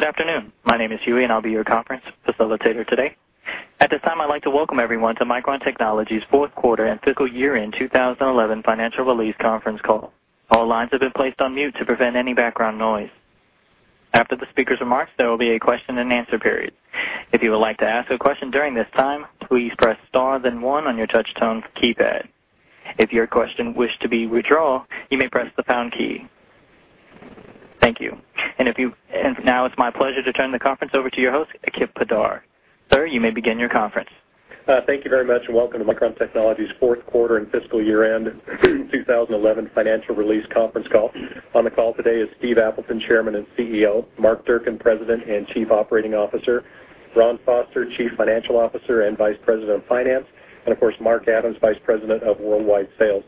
Good afternoon. My name is Hugh, and I'll be your conference facilitator today. At this time, I'd like to welcome everyone to Micron Technology's Fourth Quarter and Fiscal Year-End 2011 Financial Release Conference Call. All lines have been placed on mute to prevent any background noise. After the speaker's remarks, there will be a question and answer period. If you would like to ask a question during this time, please press star and one on your touch-tone keypad. If your question wishes to be withdrawn, you may press the pound key. Thank you. It is my pleasure to turn the conference over to your host, Kipp Bedard. Sir, you may begin your conference. Thank you very much, and welcome to Micron Technology's fourth quarter and fiscal year-end 2011 financial release conference call. On the call today is Steve Appleton, Chairman and CEO, Mark Durcan, President and Chief Operating Officer, Ron Foster, Chief Financial Officer and Vice President of Finance, and of course, Mark Adams, Vice President of Worldwide Sales.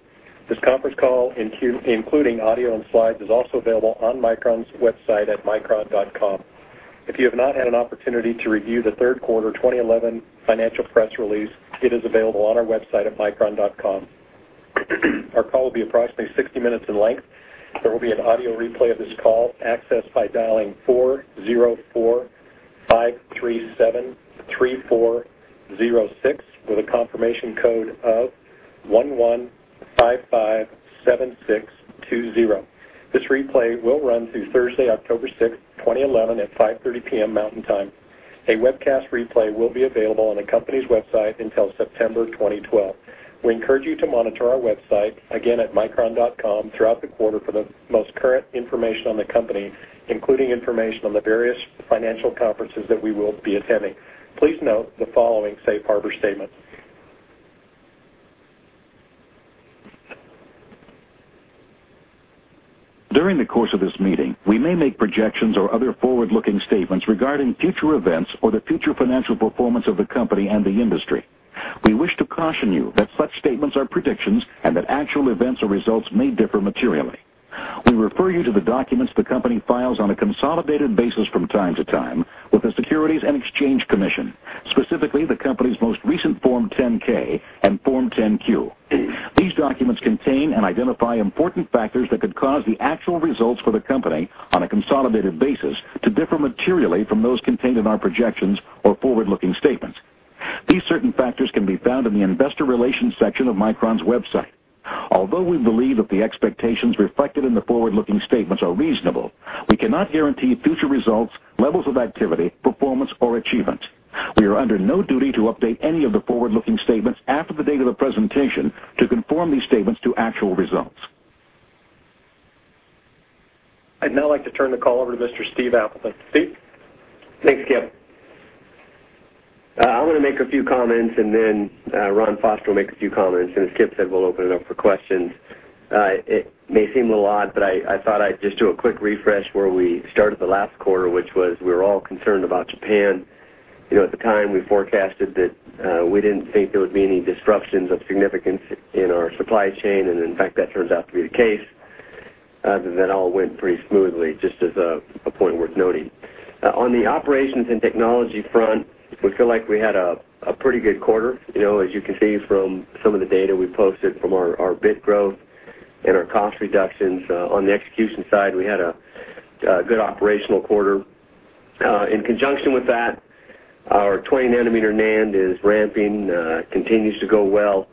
This conference call, including audio and slides, is also available on Micron's website at micron.com. If you have not had an opportunity to review the third quarter 2011 financial press release, it is available on our website at micron.com. Our call will be approximately 60 minutes in length. There will be an audio replay of this call accessed by dialing 404-537-3406 with a confirmation code of 11557620. This replay will run through Thursday, October 6, 2011, at 5:30 P.M. Mountain Time. A webcast replay will be available on the company's website until September 2012. We encourage you to monitor our website, again at micron.com, throughout the quarter for the most current information on the company, including information on the various financial conferences that we will be attending. Please note the following safe harbor statements. During the course of this meeting, we may make projections or other forward-looking statements regarding future events or the future financial performance of the company and the industry. We wish to caution you that such statements are predictions and that actual events or results may differ materially. We refer you to the documents the company files on a consolidated basis from time to time with the Securities and Exchange Commission, specifically the company's most recent Form 10-K and Form 10-Q. These documents contain and identify important factors that could cause the actual results for the company on a consolidated basis to differ materially from those contained in our projections or forward-looking statements. These certain factors can be found in the Investor Relations section of Micron's website. Although we believe that the expectations reflected in the forward-looking statements are reasonable, we cannot guarantee future results, levels of activity, performance, or achievement. We are under no duty to update any of the forward-looking statements after the date of the presentation to conform these statements to actual results. I'd now like to turn the call over to Mr. Steve Appleton. Steve? Thanks, Kipp. I'm going to make a few comments, and then Ron Foster will make a few comments. As Kipp said, we'll open it up for questions. It may seem a little odd, but I thought I'd just do a quick refresh where we started the last quarter, which was we were all concerned about Japan. At the time, we forecasted that we didn't think there would be any disruptions of significance in our supply chain, and in fact, that turns out to be the case. That all went pretty smoothly, just as a point worth noting. On the operations and technology front, we feel like we had a pretty good quarter. As you can see from some of the data we posted from our bit growth and our cost reductions. On the execution side, we had a good operational quarter. In conjunction with that, our 20-nm NAND is ramping, continues to go well,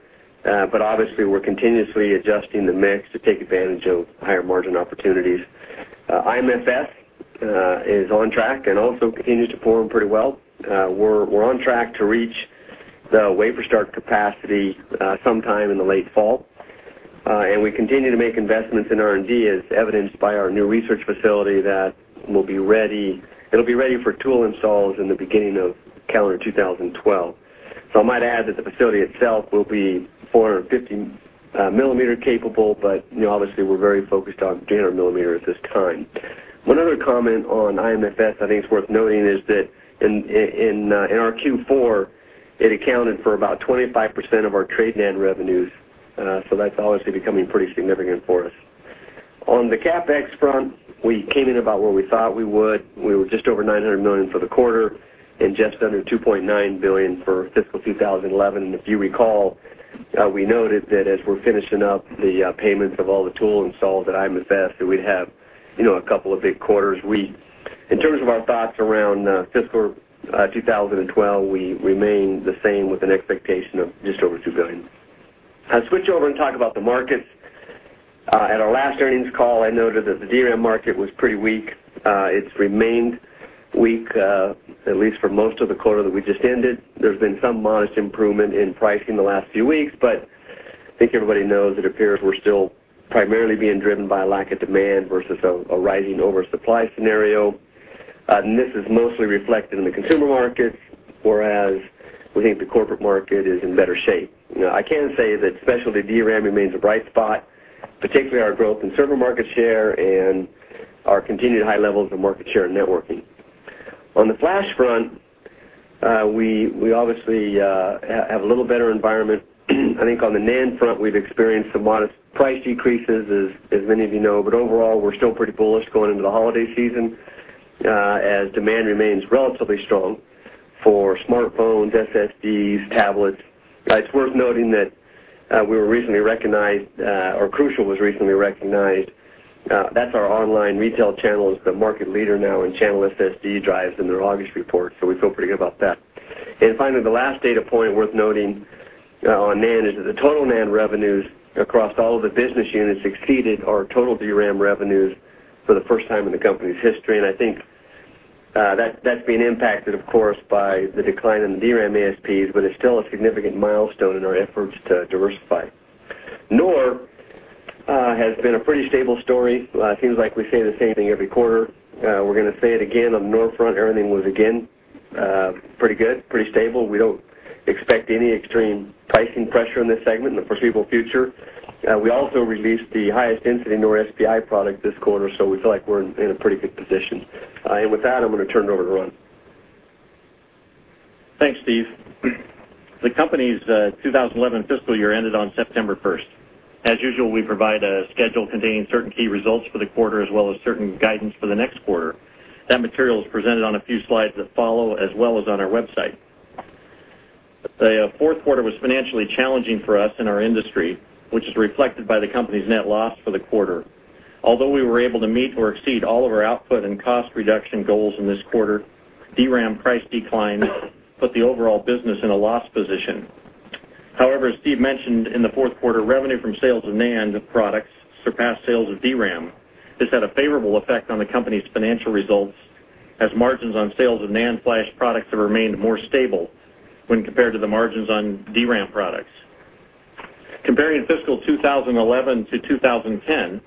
but obviously, we're continuously adjusting the mix to take advantage of higher margin opportunities. IM Flash Singapore (IMFS) is on track and also continues to perform pretty well. We're on track to reach the wafer start capacity sometime in the late fall. We continue to make investments in R&D, as evidenced by our new research facility that will be ready. It'll be ready for tool installs in the beginning of calendar 2012. I might add that the facility itself will be 450 mm-capable, but obviously, we're very focused on 300 mm at this time. One other comment on IMFS I think is worth noting is that in our Q4, it accounted for about 25% of our trade NAND revenues. That's obviously becoming pretty significant for us. On the CapEx front, we came in about where we thought we would. We were just over $900 million for the quarter and just under $2.9 billion for fiscal 2011. If you recall, we noted that as we're finishing up the payments of all the tool installs at IMFS, that we'd have a couple of big quarters. In terms of our thoughts around fiscal 2012, we remain the same with an expectation of just over $2 billion. I'll switch over and talk about the markets. At our last earnings call, I noted that the DRAM market was pretty weak. It's remained weak, at least for most of the quarter that we just ended. There's been some modest improvement in pricing in the last few weeks, but I think everybody knows that it appears we're still primarily being driven by a lack of demand versus a riding-over-supply scenario. This is mostly reflected in the consumer markets, whereas we think the corporate market is in better shape. I can say that specialty DRAM remains a bright spot, particularly our growth in server market share and our continued high levels of market share in networking. On the flash front, we obviously have a little better environment. I think on the NAND front, we've experienced some modest price decreases, as many of you know, but overall, we're still pretty bullish going into the holiday season, as demand remains relatively strong for smartphones, SSDs, tablets. It's worth noting that we were recently recognized, or Crucial was recently recognized. That's our online retail channel that's the market leader now, and channel SSD drives in their August report, so we feel pretty good about that. Finally, the last data point worth noting on NAND is that the total NAND revenues across all of the business units exceeded our total DRAM revenues for the first time in the company's history. I think that's being impacted, of course, by the decline in the DRAM ASPs, but it's still a significant milestone in our efforts to diversify. NOR has been a pretty stable story. It seems like we say the same thing every quarter. We're going to say it again on the NOR front. Everything was, again, pretty good, pretty stable. We don't expect any extreme pricing pressure in this segment in the foreseeable future. We also released the highest-intensity NOR SPI product this quarter, so we feel like we're in a pretty good position. With that, I'm going to turn it over to Ron. Thanks, Steve. The company's 2011 fiscal year ended on September 1st. As usual, we provide a schedule containing certain key results for the quarter, as well as certain guidance for the next quarter. That material is presented on a few slides that follow, as well as on our website. The fourth quarter was financially challenging for us in our industry, which is reflected by the company's net loss for the quarter. Although we were able to meet or exceed all of our output and cost reduction goals in this quarter, DRAM price declined, putting the overall business in a loss position. However, as Steve mentioned, in the fourth quarter, revenue from sales of NAND products surpassed sales of DRAM. This had a favorable effect on the company's financial results, as margins on sales of NAND flash products have remained more stable when compared to the margins on DRAM products. Comparing in fiscal 2011 to 2010,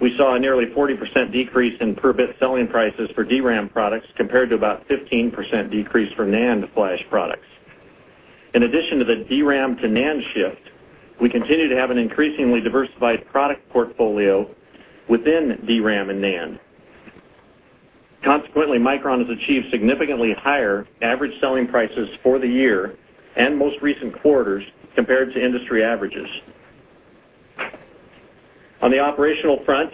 we saw a nearly 40% decrease in per-bit selling prices for DRAM products compared to about a 15% decrease for NAND flash products. In addition to the DRAM-to-NAND shift, we continue to have an increasingly diversified product portfolio within DRAM and NAND. Consequently, Micron has achieved significantly higher average selling prices for the year and most recent quarters compared to industry averages. On the operational front,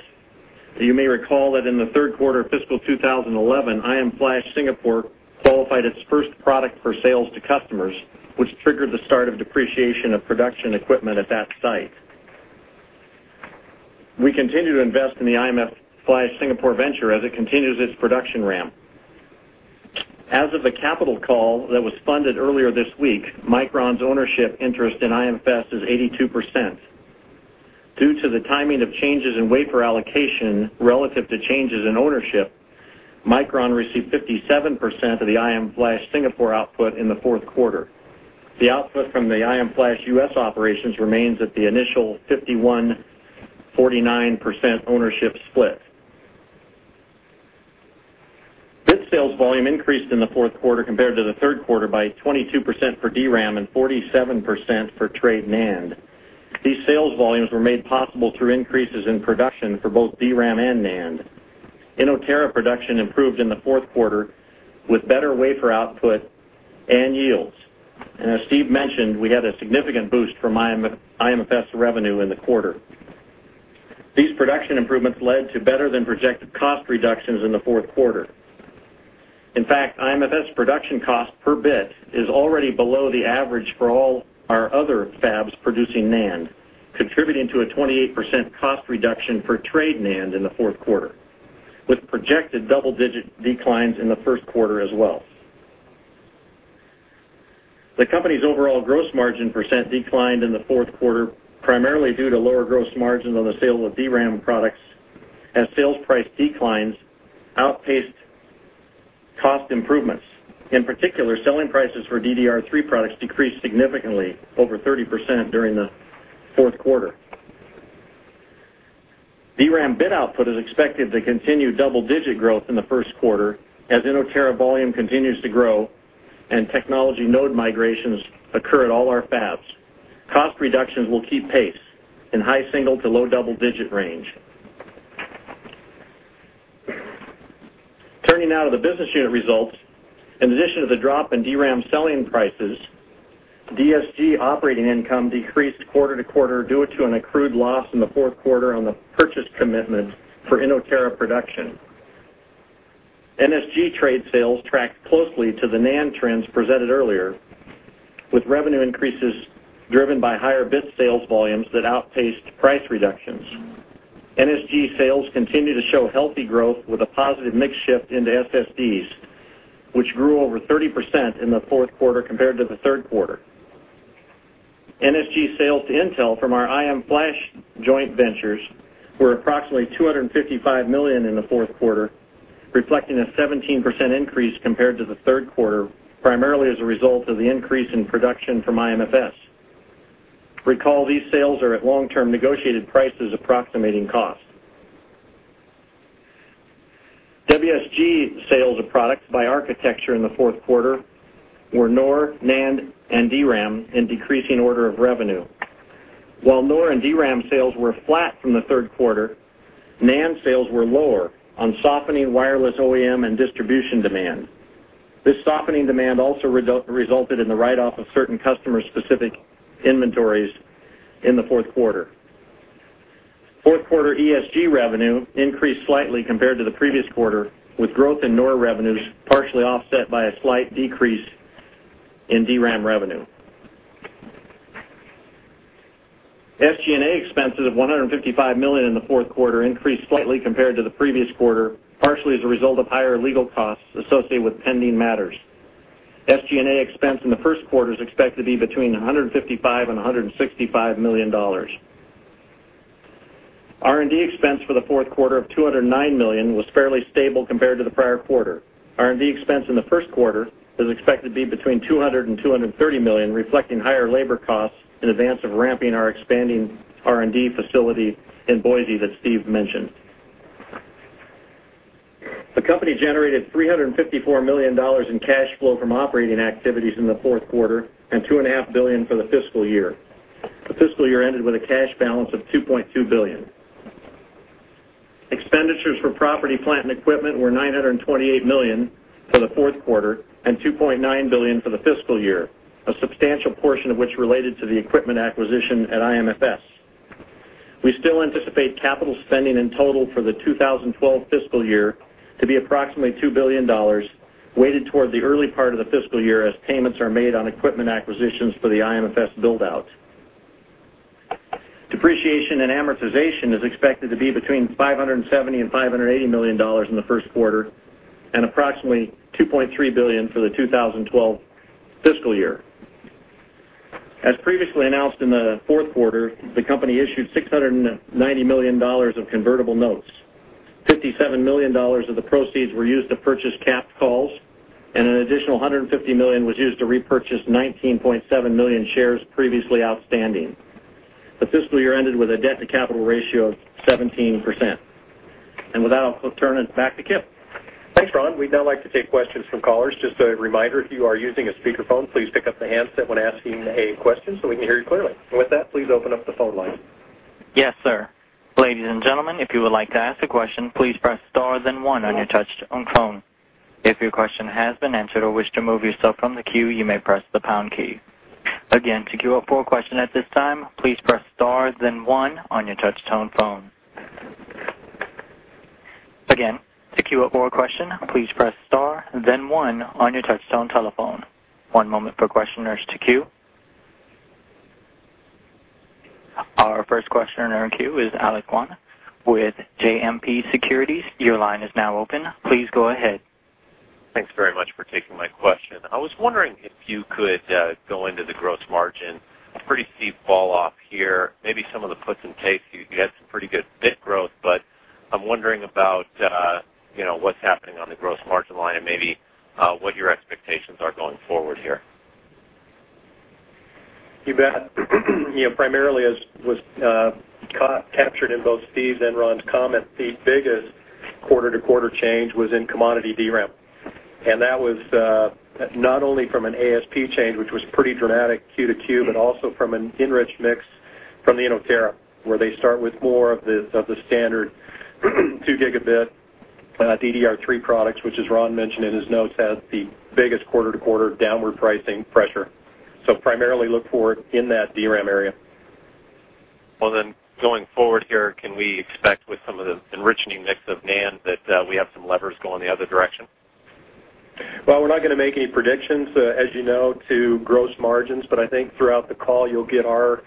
you may recall that in the third quarter of fiscal 2011, IM Flash Singapore qualified its first product for sales to customers, which triggered the start of depreciation of production equipment at that site. We continue to invest in the IM Flash Singapore venture as it continues its production ramp. As of the capital call that was funded earlier this week, Micron's ownership interest in IMFS is 82%. Due to the timing of changes in wafer allocation relative to changes in ownership, Micron received 57% of the IM Flash Singapore output in the fourth quarter. The output from the IM Flash U.S. operations remains at the initial 51%-49% ownership split. Bit sales volume increased in the fourth quarter compared to the third quarter by 22% for DRAM and 47% for trade NAND. These sales volumes were made possible through increases in production for both DRAM and NAND. Inotera production improved in the fourth quarter with better wafer output and yields. As Steve mentioned, we had a significant boost from IMFS revenue in the quarter. These production improvements led to better-than-projected cost reductions in the fourth quarter. In fact, IMFS production cost per bit is already below the average for all our other fabs producing NAND, contributing to a 28% cost reduction for trade NAND in the fourth quarter, with projected double-digit declines in the first quarter as well. The company's overall gross margin percent declined in the fourth quarter primarily due to lower gross margins on the sale of DRAM products, as sales price declines outpaced cost improvements. In particular, selling prices for DDR3 products decreased significantly over 30% during the fourth quarter. DRAM bit output is expected to continue double-digit growth in the first quarter, as Inotera volume continues to grow and technology node migrations occur at all our fabs. Cost reductions will keep pace in the high single to low double-digit range. Turning now to the business unit results, in addition to the drop in DRAM selling prices, DSG operating income decreased quarter to quarter due to an accrued loss in the fourth quarter on the purchase commitment for Inotera production. NSG trade sales tracked closely to the NAND trends presented earlier, with revenue increases driven by higher bit sales volumes that outpaced price reductions. NSG sales continue to show healthy growth with a positive mix shift into SSDs, which grew over 30% in the fourth quarter compared to the third quarter. NSG sales to Intel from our IM Flash joint ventures were approximately $255 million in the fourth quarter, reflecting a 17% increase compared to the third quarter, primarily as a result of the increase in production from IMFS. Recall, these sales are at long-term negotiated prices approximating cost. WSG sales of products by architecture in the fourth quarter were NOR, NAND, and DRAM in decreasing order of revenue. While NOR and DRAM sales were flat from the third quarter, NAND sales were lower on softening wireless OEM and distribution demand. This softening demand also resulted in the write-off of certain customer-specific inventories in the fourth quarter. Fourth quarter ESG revenue increased slightly compared to the previous quarter, with growth in NOR revenues partially offset by a slight decrease in DRAM revenue. SG&A expenses of $155 million in the fourth quarter increased slightly compared to the previous quarter, partially as a result of higher legal costs associated with pending matters. SG&A expense in the first quarter is expected to be between $155 million and $165 million. R&D expense for the fourth quarter of $209 million was fairly stable compared to the prior quarter. R&D expense in the first quarter is expected to be between $200 million and $230 million, reflecting higher labor costs in advance of ramping our expanding R&D facility in Boise that Steve mentioned. The company generated $354 million in cash flow from operating activities in the fourth quarter and $2.5 billion for the fiscal year. The fiscal year ended with a cash balance of $2.2 billion. Expenditures for property, plant, and equipment were $928 million for the fourth quarter and $2.9 billion for the fiscal year, a substantial portion of which related to the equipment acquisition at IMFS. We still anticipate capital spending in total for the 2012 fiscal year to be approximately $2 billion, weighted toward the early part of the fiscal year as payments are made on equipment acquisitions for the IMFS build-out. Depreciation and amortization is expected to be between $570 million and $580 million in the first quarter and approximately $2.3 billion for the 2012 fiscal year. As previously announced in the fourth quarter, the company issued $690 million of convertible notes. $57 million of the proceeds were used to purchase capped calls, and an additional $150 million was used to repurchase 19.7 million shares previously outstanding. The fiscal year ended with a debt-to-capital ratio of 17%. Without turning it back to Kipp. Thanks, Ron. We'd now like to take questions from callers. Just a reminder, if you are using a speakerphone, please pick up the handset when asking a question so we can hear you clearly. With that, please open up the phone line. Yes, sir. Ladies and gentlemen, if you would like to ask a question, please press star and one on your touch-tone phone. If your question has been answered or wish to remove yourself from the queue, you may press the pound key. Again, to queue up for a question at this time, please press star and one on your touch-tone phone. Again, to queue up for a question, please press star and then one on your touch-tone telephone. One moment for questioners to queue. Our first questioner in our queue is Alex Gauna with JMP Securities. Your line is now open. Please go ahead. Thanks very much for taking my question. I was wondering if you could go into the gross margin. A pretty steep fall-off here. Maybe some of the puts and takes, you had some pretty good bit growth, but I'm wondering about, you know, what's happening on the gross margin line and maybe what your expectations are going forward here. You bet. Primarily, as was captured in both Steve's and Ron's comment, the biggest quarter-to-quarter change was in commodity DRAM. That was not only from an ASP change, which was pretty dramatic Q to Q, but also from an enriched mix from the Inotera, where they start with more of the standard 2-Gb DDR3 products, which, as Ron mentioned in his notes, had the biggest quarter-to-quarter downward pricing pressure. Primarily look forward in that DRAM area. Going forward here, can we expect with some of the enriching mix of NAND that we have some levers going the other direction? We're not going to make any predictions, as you know, to gross margins, but I think throughout the call, you'll get our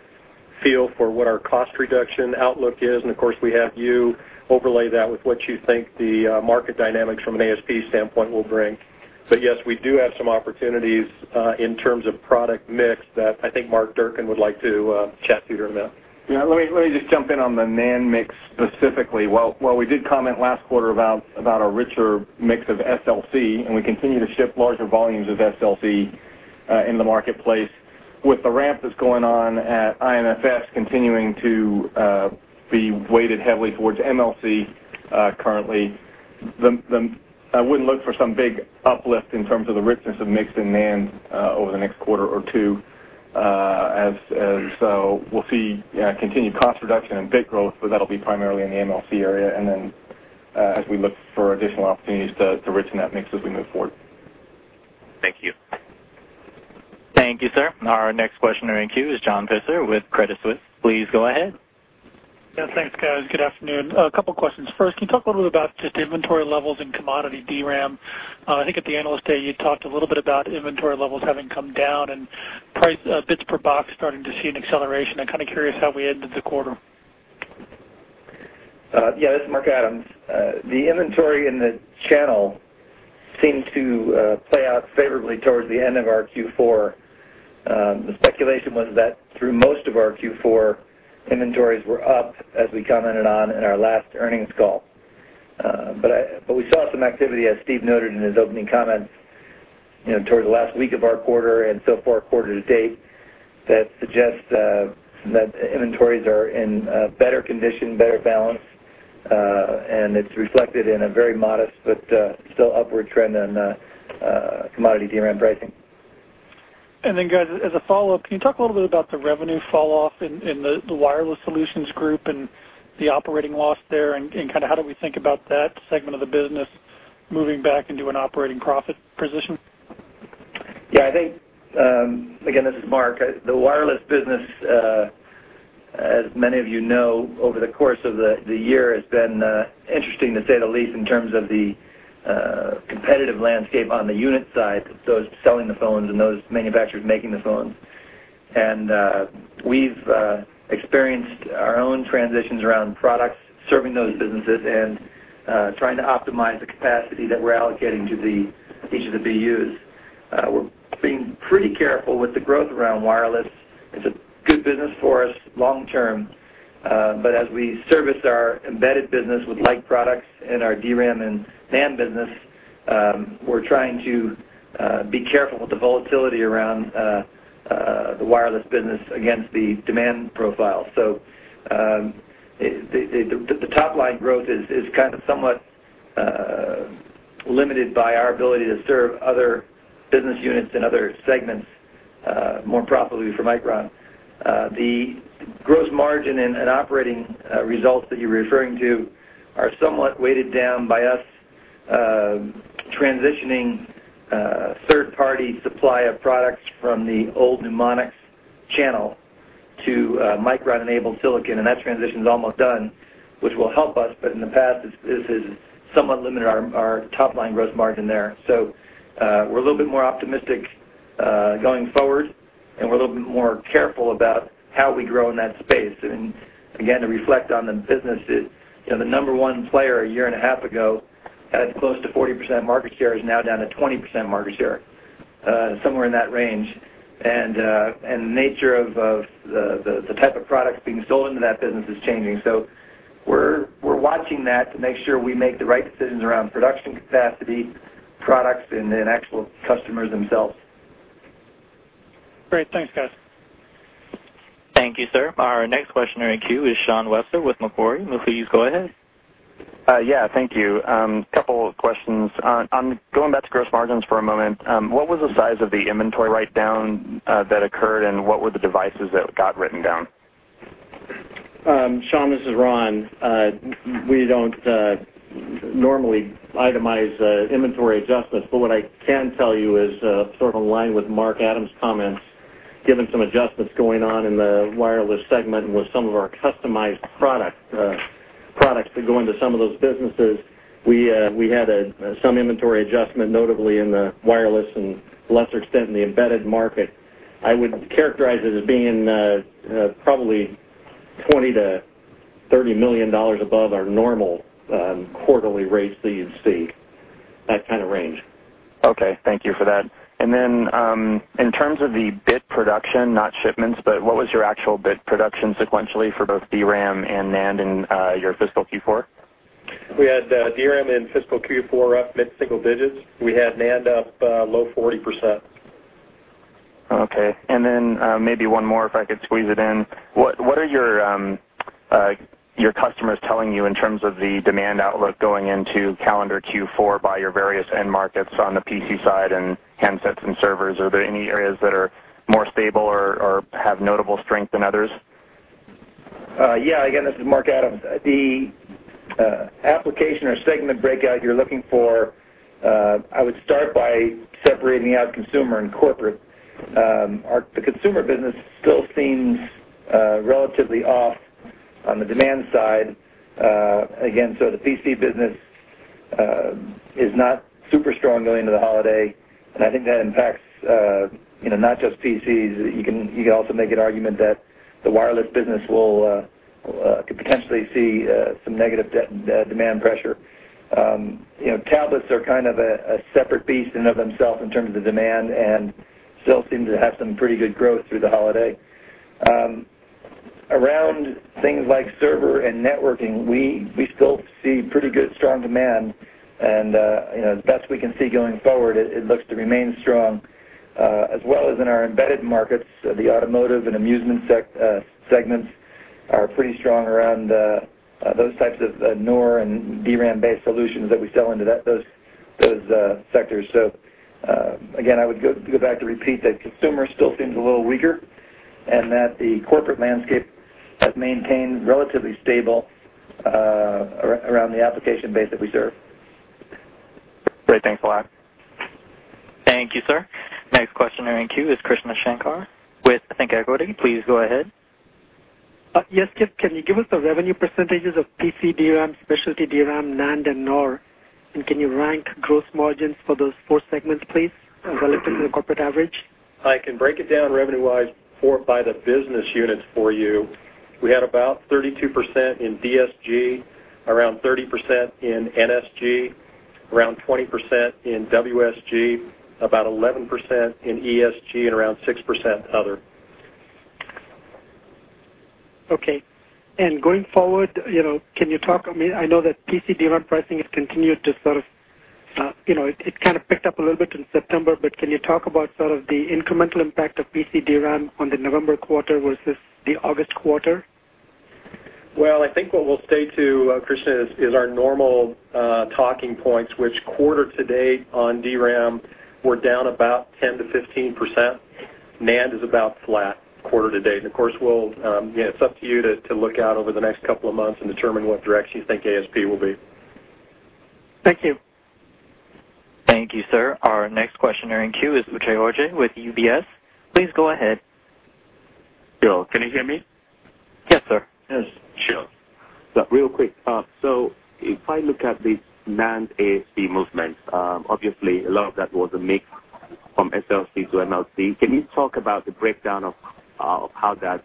feel for what our cost reduction outlook is. Of course, we have you overlay that with what you think the market dynamics from an ASP standpoint will bring. Yes, we do have some opportunities in terms of product mix that I think Mark Durcan would like to chat to you here in a minute. Let me just jump in on the NAND mix specifically. We did comment last quarter about a richer mix of SLC, and we continue to ship larger volumes of SLC in the marketplace. With the ramp that's going on at IMFS continuing to be weighted heavily towards MLC currently, I wouldn't look for some big uplift in terms of the richness of mix in NAND over the next quarter or two. We'll see continued cost reduction and bit growth, but that'll be primarily in the MLC area. As we look for additional opportunities to richen that mix as we move forward. Thank you. Thank you, sir. Our next questioner in queue is John Pitzer with Credit Suisse. Please go ahead. Yeah, thanks, guys. Good afternoon. A couple of questions. First, can you talk a little bit about just inventory levels in commodity DRAM? I think at the analyst day, you talked a little bit about inventory levels having come down and price bits per box starting to see an acceleration. I'm kind of curious how we ended the quarter. Yeah, this is Mark Adams. The inventory in the channel seemed to play out favorably towards the end of our Q4. The speculation was that through most of our Q4, inventories were up, as we commented on in our last earnings call. We saw some activity, as Steve noted in his opening comments, towards the last week of our quarter and so far quarter to date, that suggests that inventories are in better condition, better balance, and it's reflected in a very modest but still upward trend on commodity DRAM pricing. Can you talk a little bit about the revenue fall-off in the wireless solutions group and the operating loss there, and kind of how do we think about that segment of the business moving back into an operating profit position? Yeah, I think, again, this is Mark. The wireless business, as many of you know, over the course of the year, has been interesting, to say the least, in terms of the competitive landscape on the unit side, those selling the phones and those manufacturers making the phones. We've experienced our own transitions around products serving those businesses and trying to optimize the capacity that we're allocating to each of the BUs, being pretty careful with the growth around wireless. It's good business for us long term. As we service our embedded business with like products in our DRAM and NAND business, we're trying to be careful with the volatility around the wireless business against the demand profile. The top line growth is kind of somewhat limited by our ability to serve other business units and other segments more profitably for Micron. The gross margin and operating results that you're referring to are somewhat weighted down by us transitioning third-party supply of products from the old pneumonics channel to Micron-enabled silicon. That transition is almost done, which will help us, but in the past, this has somewhat limited our top line gross margin there. We're a little bit more optimistic going forward, and we're a little bit more careful about how we grow in that space. Again, to reflect on the business, the number one player a year and a half ago had close to 40% market share, is now down to 20% market share, somewhere in that range. The nature of the type of product being sold into that business is changing. We're watching that to make sure we make the right decisions around production capacity, products, and actual customers themselves. Great. Thanks, guys. Thank you, sir. Our next questioner in queue is Shawn Webster with Macquarie. Please go ahead. Yeah, thank you. A couple of questions. Going back to gross margins for a moment, what was the size of the inventory write-down that occurred, and what were the devices that got written down? Sean, this is Ron. We don't normally itemize inventory adjustments, but what I can tell you is sort of in line with Mark Adams' comments, given some adjustments going on in the wireless segment and with some of our customized products that go into some of those businesses, we had some inventory adjustment, notably in the wireless and to a lesser extent in the embedded markets. I would characterize it as being probably $20 million-$30 million above our normal quarterly rates that you see, that kind of range. Okay. Thank you for that. In terms of the bit production, not shipments, what was your actual bit production sequentially for both DRAM and NAND in your fiscal Q4? We had DRAM in fiscal Q4 up mid-single digits. We had NAND up low 40%. Okay. Maybe one more if I could squeeze it in. What are your customers telling you in terms of the demand outlook going into calendar Q4 by your various end markets on the PC side and handsets and servers? Are there any areas that are more stable or have notable strength than others? Yeah, again, this is Mark Adams. The application or segment breakout you're looking for, I would start by separating out consumer and corporate. The consumer business still seems relatively off on the demand side. Again, the PC business is not super strong going into the holiday, and I think that impacts, you know, not just PCs. You can also make an argument that the wireless business could potentially see some negative demand pressure. Tablets are kind of a separate beast in and of themselves in terms of demand and still seem to have some pretty good growth through the holiday. Around things like server and networking, we still see pretty good strong demand, and the best we can see going forward, it looks to remain strong. As well as in our embedded markets, the automotive and amusement segments are pretty strong around those types of NOR and DRAM-based solutions that we sell into those sectors. I would go back to repeat that consumer still seems a little weaker and that the corporate landscape maintains relatively stable around the application base that we serve. Great, thanks a lot. Thank you, sir. Next questioner in queue is Krishna Sankar with, ThinkEquity. Please go ahead. Yes, Kipp, can you give us the revenue percentages of PC DRAM, specialty DRAM, NAND, and NOR? Can you rank gross margins for those four segments, please, relative to the corporate average? I can break it down revenue-wise by the business units for you. We had about 32% in DSG, around 30% in NSG, around 20% in WSG, about 11% in ESG, and around 6% other. Okay. Going forward, can you talk? I mean, I know that PC DRAM pricing has continued to sort of, you know, it kind of picked up a little bit in September, but can you talk about sort of the incremental impact of PC DRAM on the November quarter versus the August quarter? I think what we'll stay to, Krishna, is our normal talking points, which quarter to date on DRAM, we're down about 10%-15%. NAND is about flat quarter to date. Of course, it's up to you to look out over the next couple of months and determine what direction you think ASP will be. Thank you. Thank you, sir. Our next questioner in queue is Uche Orji with UBS. Please go ahead. Hello, can you hear me? Yes, sir. Yes. Sure. Real quick, if I look at this NAND ASP movement, obviously, a lot of that was a mix from SLC to MLC. Can you talk about the breakdown of how that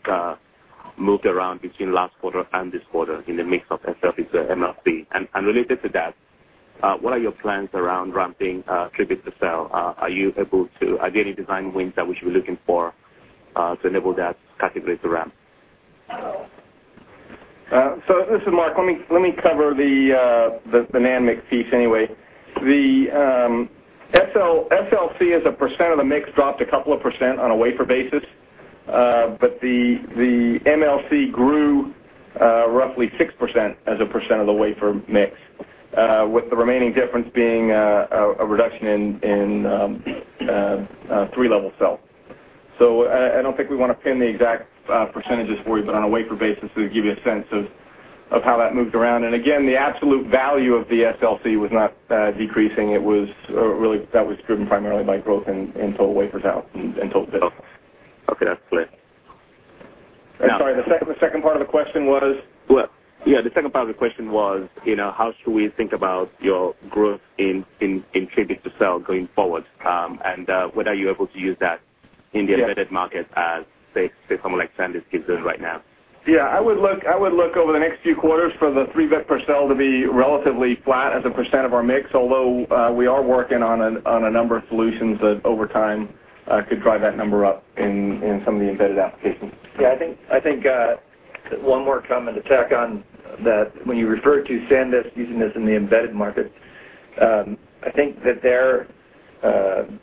moved around between last quarter and this quarter in the mix of SLC to MLC? Related to that, what are your plans around ramping 3-bits to sell? Are you able to ideally design wins that we should be looking for to enable that category to ramp? This is Mark. Let me cover the NAND mix piece anyway. The SLC as a percent of the mix dropped a couple of percent on a wafer basis, but the MLC grew roughly 6% as a percent of the wafer mix, with the remaining difference being a reduction in three-level cell. I don't think we want to pin the exact percentages for you, but on a wafer basis, to give you a sense of how that moved around. Again, the absolute value of the SLC was not decreasing. It was really that was driven primarily by growth in total wafers out and total bit off. Okay, that's clear. Sorry, the second part of the question was? Yeah, the second part of the question was, you know, how should we think about your growth in 3-bits to sell going forward? What are you able to use that in the embedded market as, say, from Alexander, it's good right now? Yeah, I would look over the next few quarters for the 3-bits per cell to be relatively flat as a percent of our mix, although we are working on a number of solutions that over time could drive that number up in some of the embedded applications. Yeah, I think one more comment to check on that. When you refer to SanDisk using this in the embedded market, I think that their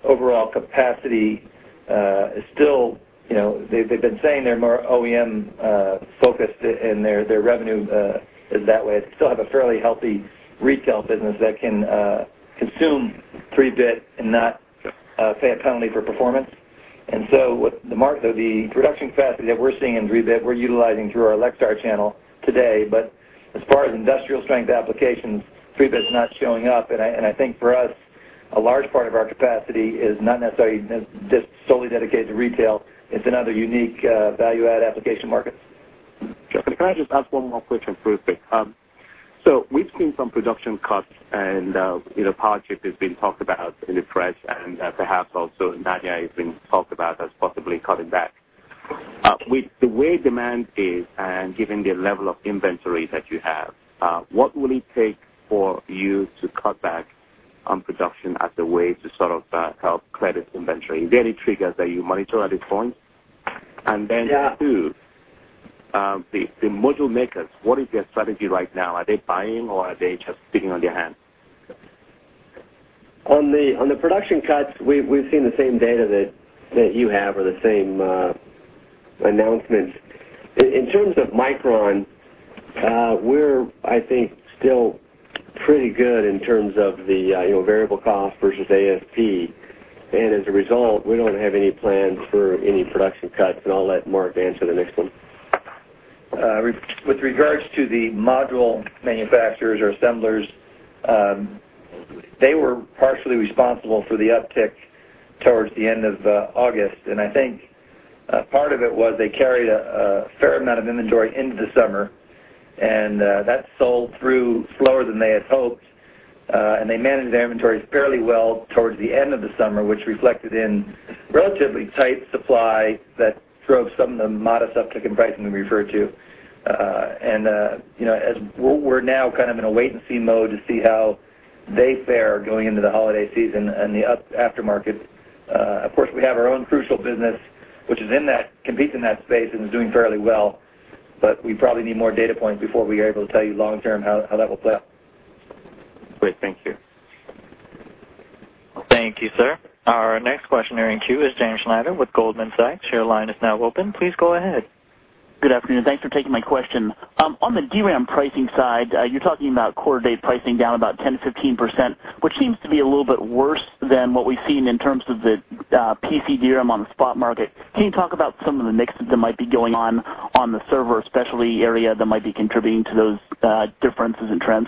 overall capacity is still, you know, they've been saying they're more OEM-focused in their revenue in that way. They still have a fairly healthy retail business that can consume 3-bits and not pay a penalty for performance. What the market, the production capacity that we're seeing in 3-bits, we're utilizing through our Alexstar channel today. As far as industrial strength applications, 3-bits is not showing up. I think for us, a large part of our capacity is not necessarily just solely dedicated to retail. It's in other unique value-add application markets. Can I just ask one more question first, please? We've seen some production cuts, and you know, Powerchip has been talked about in the press, and perhaps also NAND has been talked about as possibly cutting back. With the way demand is and given the level of inventories that you have, what will it take for you to cut back on production as a way to sort of help credit inventory? Is there any trigger that you monitor at this point? The module makers, what is their strategy right now? Are they buying or are they just sticking on their hands? On the production cuts, we've seen the same data that you have or the same announcements. In terms of Micron, we're, I think, still pretty good in terms of the variable cost versus ASP. As a result, we don't have any plans for any production cuts, and I'll let Mark answer the next one. With regards to the module manufacturers or assemblers, they were partially responsible for the uptick towards the end of August. I think part of it was they carried a fair amount of inventory into the summer, and that sold through slower than they had hoped. They managed their inventories fairly well towards the end of the summer, which reflected in relatively tight supply that drove some of the modest uptick in pricing we referred to. As we're now kind of in a wait-and-see mode to see how they fare going into the holiday season and the aftermarket. Of course, we have our own Crucial business, which competes in that space and is doing fairly well. We probably need more data points before we are able to tell you long-term how that will play out. Great. Thank you. Thank you, sir. Our next questioner in queue is James Schneider with Goldman Sachs. Your line is now open. Please go ahead. Good afternoon. Thanks for taking my question. On the DRAM pricing side, you're talking about quarter-to-date pricing down about 10%-15%, which seems to be a little bit worse than what we've seen in terms of the PC DRAM on the spot market. Can you talk about some of the mix that might be going on on the server, especially area that might be contributing to those differences in trends?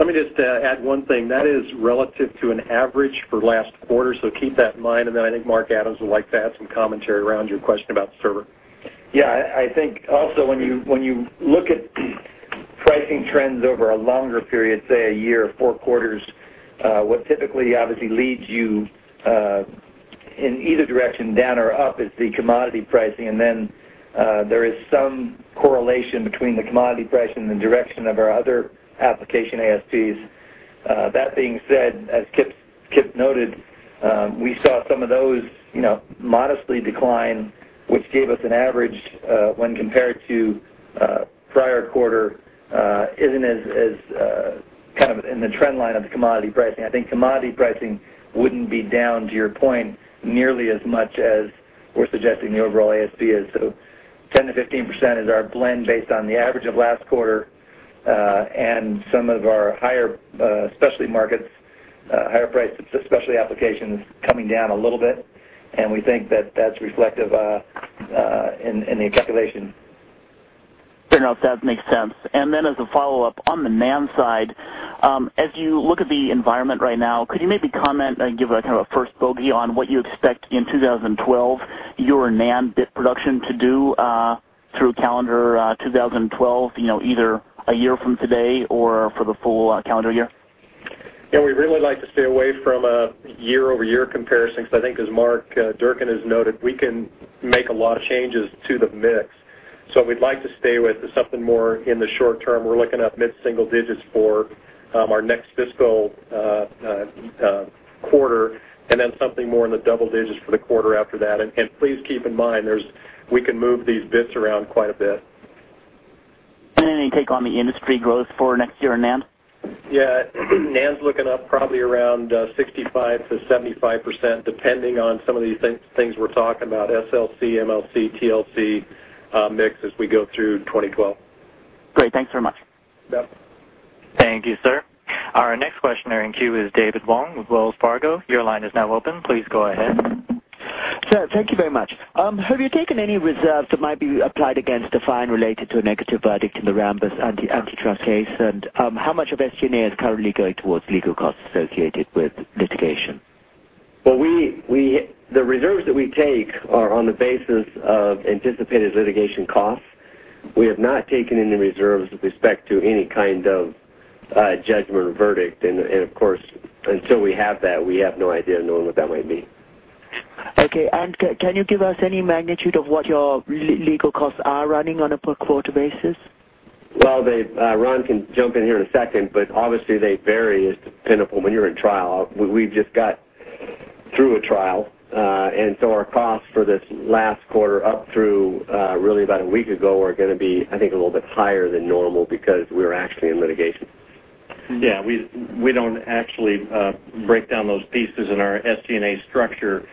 Let me just add one thing. That is relative to an average for last quarter, so keep that in mind. I think Mark Adams would like to add some commentary around your question about server. Yeah, I think also when you look at pricing trends over a longer period, say a year or four quarters, what typically obviously leads you in either direction, down or up, is the commodity pricing. There is some correlation between the commodity pricing and the direction of our other application ASPs. That being said, as Kipp noted, we saw some of those modestly decline, which gave us an average when compared to prior quarter, isn't as kind of in the trend line of the commodity pricing. I think commodity pricing wouldn't be down to your point nearly as much as we're suggesting the overall ASP is. 10-15% is our blend based on the average of last quarter. Some of our higher specialty markets, higher priced specialty applications coming down a little bit. We think that that's reflective in the calculation. Fair enough. That makes sense. As a follow-up on the NAND side, as you look at the environment right now, could you maybe comment and give a kind of a first bogey on what you expect in 2012 your NAND bit production to do through calendar 2012, you know, either a year from today or for the full calendar year? Yeah, we'd really like to stay away from a year-over-year comparison because I think, as Mark Durcan has noted, we can make a lot of changes to the mix. What we'd like to stay with is something more in the short term. We're looking at mid-single digits for our next fiscal quarter, and something more in the double digits for the quarter after that. Please keep in mind, we can move these bits around quite a bit. Any take on the industry growth for next year in NAND? Yeah, I think NAND's looking up probably around 65%-75%, depending on some of these things we're talking about: SLC, MLC, TLC mix as we go through in 2012. Great, thanks very much. Yep. Thank you, sir. Our next questioner in queue is David Wong with Wells Fargo. Your line is now open. Please go ahead. Sir, thank you very much. Have you taken any reserves that might be applied against a fine related to a negative verdict in the Rambus antitrust case? How much of SG&A is currently going towards legal costs associated with litigation? The reserves that we take are on the basis of anticipated litigation costs. We have not taken any reserves with respect to any kind of judgment or verdict. Of course, until we have that, we have no idea knowing what that might be. Okay. Can you give us any magnitude of what your legal costs are running on a per-quarter basis? Ron can jump in here in a second, but obviously, they vary. It's dependable when you're in trial. We've just got through a trial, and so our costs for this last quarter up through really about a week ago are going to be, I think, a little bit higher than normal because we're actually in litigation. Yeah, we don't actually break down those pieces in our SG&A structure.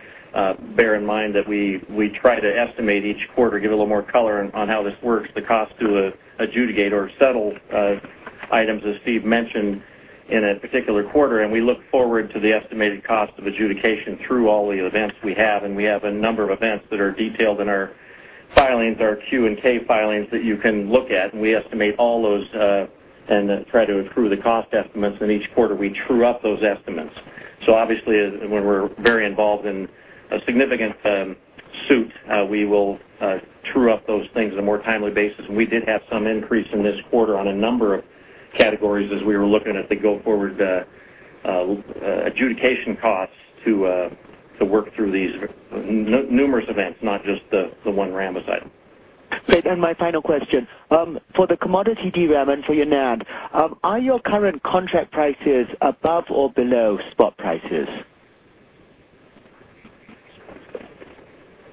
Bear in mind that we try to estimate each quarter, give a little more color on how this works, the cost to adjudicate or settle items, as Steve mentioned, in a particular quarter. We look forward to the estimated cost of adjudication through all the events we have. We have a number of events that are detailed in our filings, our Q and K filings that you can look at. We estimate all those and try to accrue the cost estimates. In each quarter, we true up those estimates. Obviously, when we're very involved in a significant suit, we will true up those things on a more timely basis. We did have some increase in this quarter on a number of categories as we were looking at the go-forward adjudication costs to work through these numerous events, not just the one Rambus item. Okay. My final question. For the commodity DRAM and for your NAND, are your current contract prices above or below spot prices?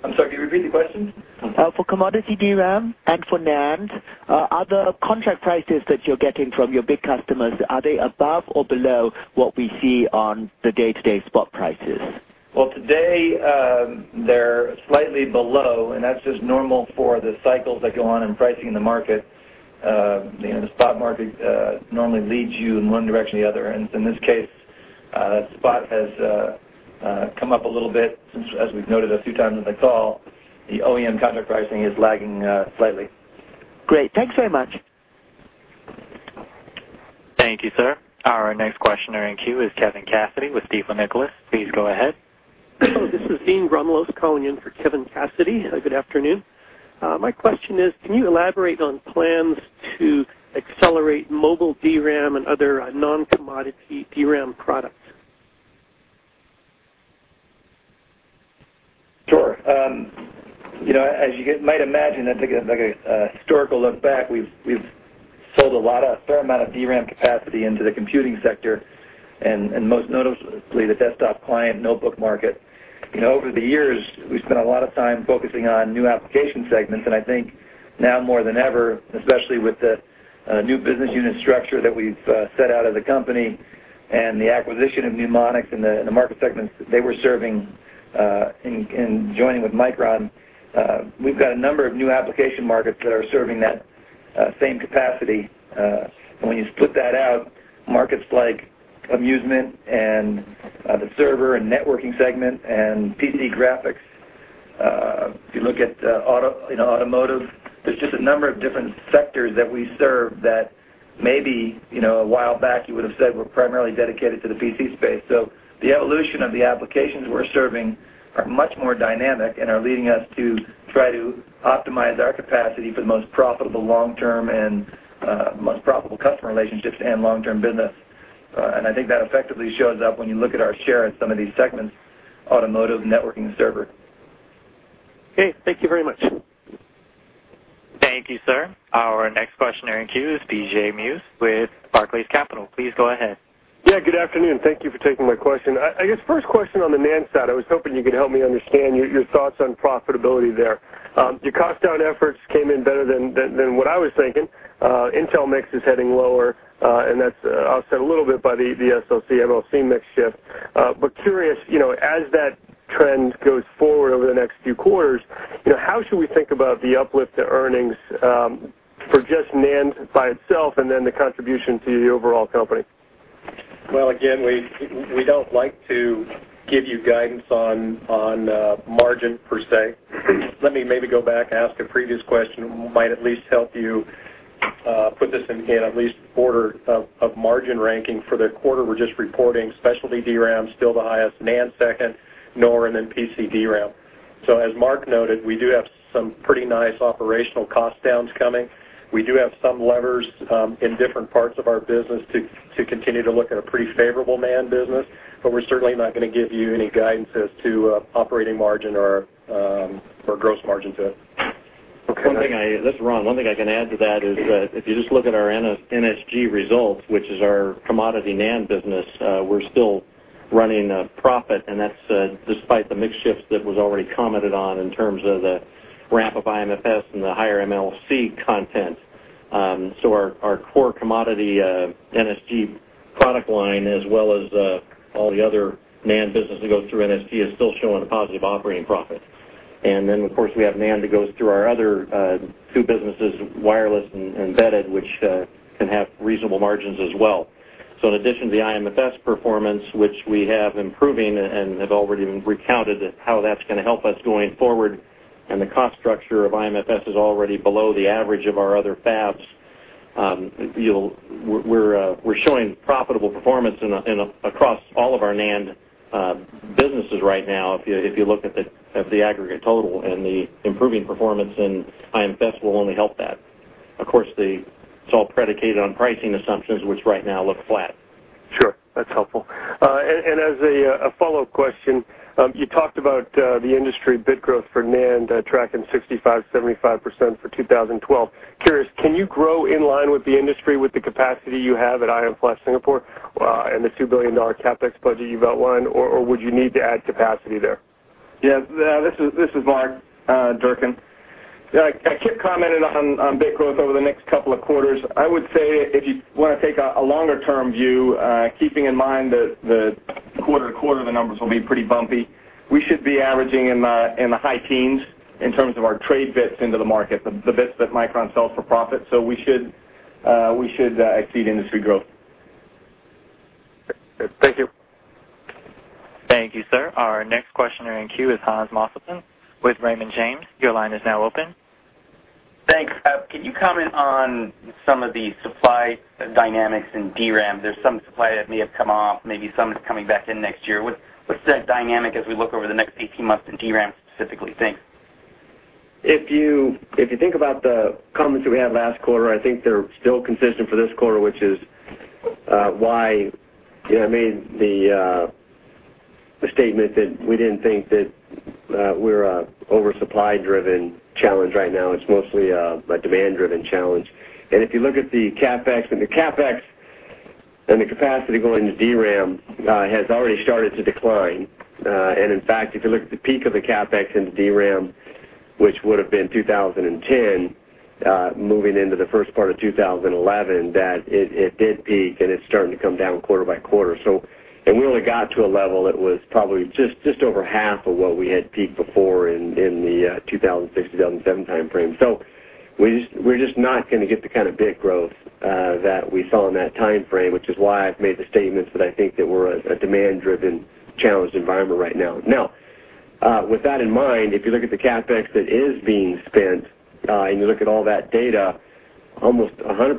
I'm sorry, can you repeat the question? For commodity DRAM and for NAND, are the contract prices that you're getting from your big customers, are they above or below what we see on the day-to-day spot prices? Today, they're slightly below, and that's just normal for the cycles that go on in pricing in the market. The spot market normally leads you in one direction or the other. In this case, the spot has come up a little bit, since as we've noted a few times in the call, the OEM contract pricing is lagging slightly. Great, thanks very much. Thank you, sir. Our next questioner in queue is Kevin Cassidy with Stifel, Nicolaus. Please go ahead. This is Dean [Ramalhos] calling in for Kevin Cassidy. Good afternoon. My question is, can you elaborate on plans to accelerate mobile DRAM and other non-commodity DRAM products? Sure. As you might imagine, that's like a historical look back. We've sold a fair amount of DRAM capacity into the computing sector and most notably the desktop client notebook market. Over the years, we've spent a lot of time focusing on new application segments. I think now more than ever, especially with the new business unit structure that we've set out as a company and the acquisition of Numonyx and the market segments that they were serving in joining with Micron, we've got a number of new application markets that are serving that same capacity. When you split that out, markets like amusement and the server and networking segment and 3D graphics, if you look at automotive, there's just a number of different sectors that we serve that maybe a while back you would have said were primarily dedicated to the PC space. The evolution of the applications we're serving are much more dynamic and are leading us to try to optimize our capacity for the most profitable long-term and most profitable customer relationships and long-term business. I think that effectively shows up when you look at our share at some of these segments: automotive, networking, and server. Okay, thank you very much. Thank you, sir. Our next questioner in queue is CJ Muse with Barclays Capital. Please go ahead. Yeah, good afternoon. Thank you for taking my question. I guess first question on the NAND side, I was hoping you could help me understand your thoughts on profitability there. Your cost-down efforts came in better than what I was thinking. Intel mix is heading lower, and that's offset a little bit by the SLC-MLC mix shift. Curious, you know, as that trend goes forward over the next few quarters, you know, how should we think about the uplift to earnings for just NAND by itself and then the contribution to the overall company? Again, we don't like to give you guidance on margin per se. Let me maybe go back, ask a previous question that might at least help you put this in at least a quarter of margin ranking for the quarter we're just reporting. Specialty DRAM is still the highest, NAND second, NOR, and then PC DRAM. As Mark noted, we do have some pretty nice operational cost downs coming. We do have some levers in different parts of our business to continue to look at a pretty favorable NAND business, but we're certainly not going to give you any guidance as to operating margin or gross margin to it. Okay. Ron, one thing I can add to that is if you just look at our NSG results, which is our commodity NAND business, we're still running a profit, and that's despite the mix shifts that was already commented on in terms of the ramp-up IMFS and the higher MLC content. Our core commodity NSG product line, as well as all the other NAND business that goes through NSG, is still showing a positive operating profit. Of course, we have NAND that goes through our other two businesses, wireless and embedded, which can have reasonable margins as well. In addition to the IMFS performance, which we have improving and have already recounted how that's going to help us going forward, and the cost structure of IMFS is already below the average of our other fabs, we're showing profitable performance across all of our NAND businesses right now if you look at the aggregate total. The improving performance in IMFS will only help that. Of course, it's all predicated on pricing assumptions, which right now look flat. Sure. That's helpful. As a follow-up question, you talked about the industry bit growth for NAND tracking 65%-75% for 2012. Curious, can you grow in line with the industry with the capacity you have at IM Flash Singapore and the $2 billion CapEx budget you've outlined, or would you need to add capacity there? Yeah. This is Mark Durcan. I keep commenting on bit growth over the next couple of quarters. I would say if you want to take a longer-term view, keeping in mind that quarter to quarter, the numbers will be pretty bumpy, we should be averaging in the high teens in terms of our trade bits into the market, the bits that Micron sells for profit. We should exceed industry growth. Thank you. Thank you, sir. Our next questioner in queue is Hans Mosesmann with Raymond James. Your line is now open. Thanks. Can you comment on some of the supply dynamics in DRAM? There's some supply that may have come off, maybe some is coming back in next year. What's that dynamic as we look over the next 18 months in DRAM specifically? Thanks. If you think about the comments we had last quarter, I think they're still consistent for this quarter, which is why I made the statement that we didn't think that we're an oversupply-driven challenge right now. It's mostly a demand-driven challenge. If you look at the CapEx, the CapEx and the capacity going into DRAM has already started to decline. In fact, if you look at the peak of the CapEx in the DRAM, which would have been 2010, moving into the first part of 2011, it did peak, and it's starting to come down quarter by quarter. We only got to a level that was probably just over half of what we had peaked before in the 2006-2007 timeframe. We're just not going to get the kind of bit growth that we saw in that timeframe, which is why I've made the statements that I think that we're a demand-driven challenged environment right now. Now, with that in mind, if you look at the CapEx that is being spent and you look at all that data, almost 100%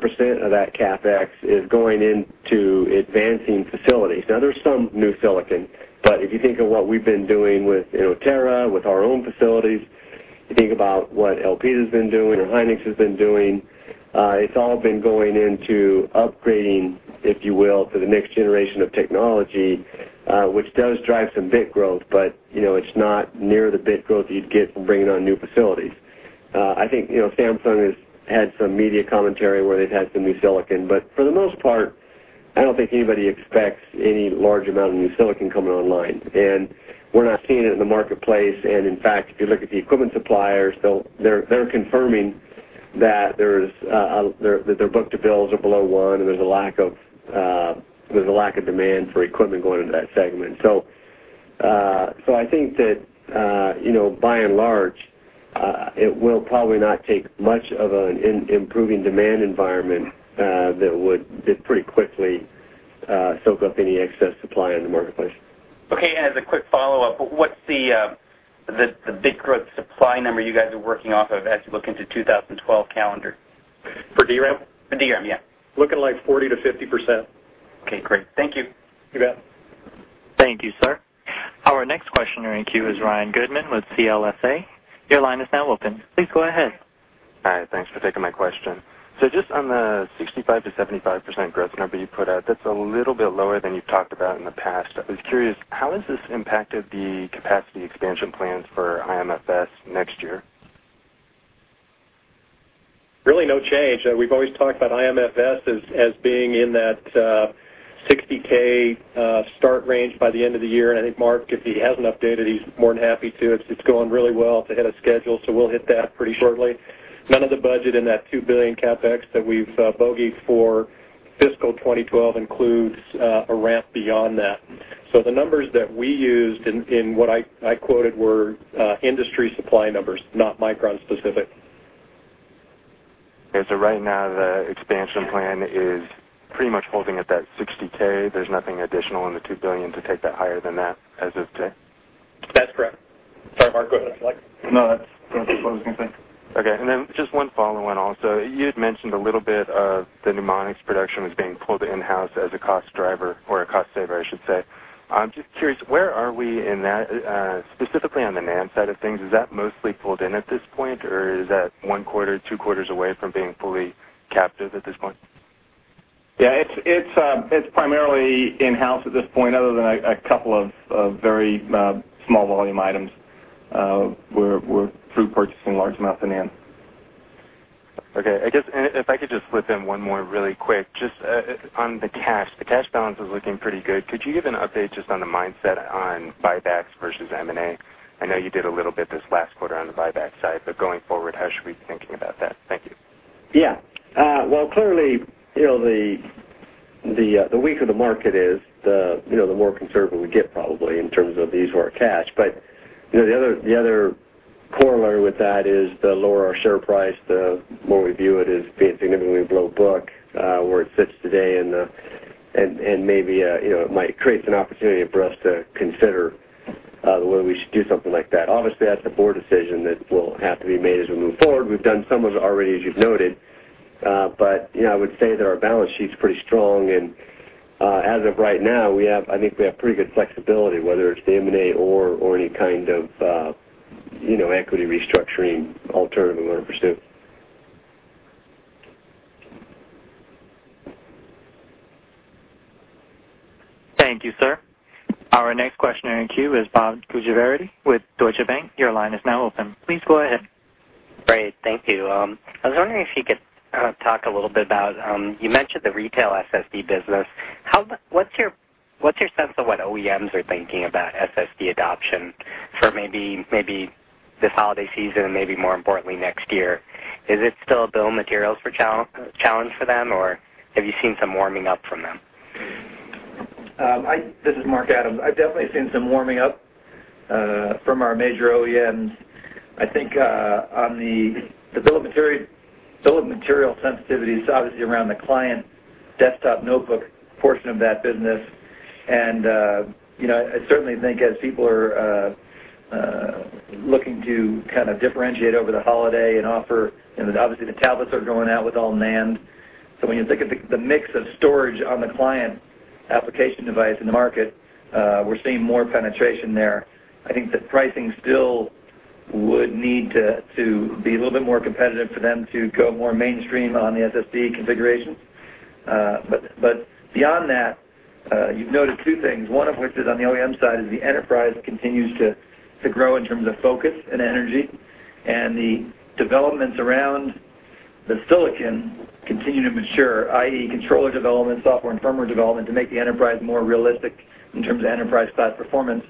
of that CapEx is going into advancing facilities. There's some new silicon, but if you think of what we've been doing with Inotera, with our own facilities, you think about what LP has been doing, what Hynix has been doing, it's all been going into upgrading, if you will, to the next generation of technology, which does drive some bit growth, but you know it's not near the bit growth you'd get from bringing on new facilities. I think Samsung has had some media commentary where they've had some new silicon, but for the most part, I don't think anybody expects any large amount of new silicon coming online. We're not seeing it in the marketplace. In fact, if you look at the equipment suppliers, they're confirming that their book-to-bills are below one, and there's a lack of demand for equipment going into that segment. I think that, by and large, it will probably not take much of an improving demand environment that would pretty quickly soak up any excess supply in the marketplace. Okay. As a quick follow-up, what's the bit growth supply number you guys are working off of as you look into 2012 calendar? For DRAM? For DRAM, yeah. Looking like 40%-50%. Okay, great. Thank you. You bet. Thank you, sir. Our next questioner in queue is Ryan Goodman with CLSA. Your line is now open. Please go ahead. Hi, thanks for taking my question. Just on the 65%-75% growth number you put out, that's a little bit lower than you've talked about in the past. I was curious, how has this impacted the capacity expansion plans for IMFS next year? Really no change. We've always talked about IMFS as being in that 60,000 start range by the end of the year. I think Mark, if he hasn't updated, he's more than happy to. It's going really well to hit a schedule, so we'll hit that pretty shortly. None of the budget in that $2 billion CapEx that we've bogeyed for fiscal 2012 includes a ramp beyond that. The numbers that we used in what I quoted were industry supply numbers, not Micron-specific. Okay. Right now, the expansion plan is pretty much holding at that 60,000. There's nothing additional in the $2 billion to take that higher than that as of today? That's correct. Sorry, Mark, go ahead. No, that's what I was going to say. Okay. Just one follow-on also. You had mentioned a little bit of the pneumonics production was being pulled in-house as a cost driver or a cost saver, I should say. I'm just curious, where are we in that specifically on the NAND side of things? Is that mostly pulled in at this point, or is that one quarter, two quarters away from being fully captive at this point? Yeah, it's primarily in-house at this point, other than a couple of very small volume items where we're through purchasing large amounts of NAND. Okay. I guess if I could just slip in one more really quick, just on the cash, the cash balance is looking pretty good. Could you give an update just on the mindset on buybacks versus M&A? I know you did a little bit this last quarter on the buyback side, but going forward, how should we be thinking about that? Thank you. Yeah. Clearly, you know, the weaker the market is, the more conservative we get probably in terms of the ease of our cash. The other corollary with that is the lower our share price, the more we view it as being significantly below book where it sits today. Maybe it might create some opportunity for us to consider the way we should do something like that. Obviously, that's a board decision that will have to be made as we move forward. We've done some of it already, as you've noted. I would say that our balance sheet's pretty strong. As of right now, I think we have pretty good flexibility, whether it's the M&A or any kind of equity restructuring alternative amount for suit. Thank you, sir. Our next questioner in queue is Bob Gujavarty with Deutsche Bank. Your line is now open. Please go ahead. Great. Thank you. I was wondering if you could talk a little bit about, you mentioned the retail SSD business. What's your sense of what OEMs are thinking about SSD adoption for maybe this holiday season, maybe more importantly next year? Is it still a bill of materials challenge for them, or have you seen some warming up from them? This is Mark Adams. I've definitely seen some warming up from our major OEMs. I think on the bill of material sensitivity, it's obviously around the client desktop notebook portion of that business. I certainly think as people are looking to kind of differentiate over the holiday and offer, and obviously the tablets are going out with all NAND. When you think of the mix of storage on the client application device in the market, we're seeing more penetration there. I think that pricing still would need to be a little bit more competitive for them to go more mainstream on the SSD configuration. Beyond that, you've noted two things. One of which is on the OEM side is the enterprise continues to grow in terms of focus and energy. The developments around the silicon continue to mature, i.e., controller development, software and firmware development to make the enterprise more realistic in terms of enterprise cloud performance.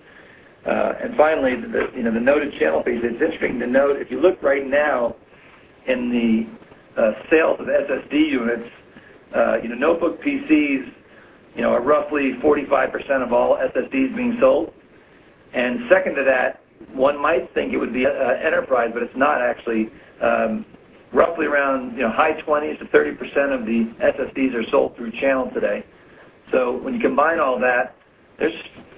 Finally, the noted channel piece, it's interesting to note if you look right now in the sales of SSD units, notebook PCs are roughly 45% of all SSDs being sold. Second to that, one might think it would be an enterprise, but it's not actually. Roughly around high 20s to 30% of the SSDs are sold through channel today. When you combine all that,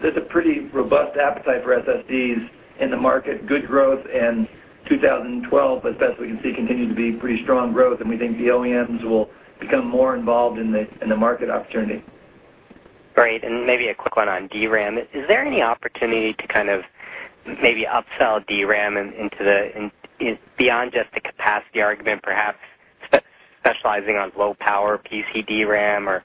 there's a pretty robust appetite for SSDs in the market, good growth in 2012, that's what we can see continue to be pretty strong growth. We think the OEMs will become more involved in the market opportunity. All right. Maybe a quick one on DRAM. Is there any opportunity to kind of maybe upsell DRAM beyond just the capacity argument, perhaps specializing on low-power PC DRAM or